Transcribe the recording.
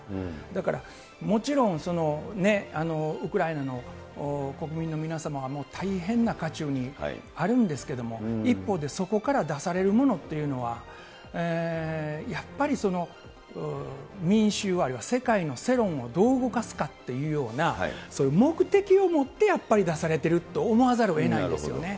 だからもちろんウクライナの国民の皆様がもう大変な渦中にあるんですけども、一方で、そこから出されるものっていうのは、やっぱり民衆、あるいは世界の世論をどう動かすかっていうような、そういう目的を持ってやっぱり出されてると思わざるをえないんですよね。